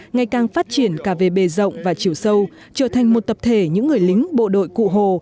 ngày càng phát triển cả về bề rộng và chiều sâu trở thành một tập thể những người lính bộ đội cụ hồ